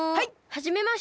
はじめまして。